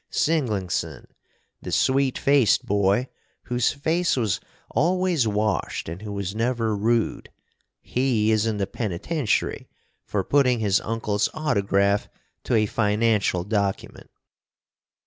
Singlingson, the sweet faced boy whose face was always washed and who was never rude, he is in the penitentiary for putting his uncle's autograph to a financial document.